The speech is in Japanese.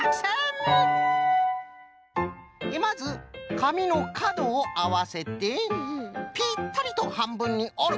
まずかみのかどをあわせてぴったりとはんぶんにおる！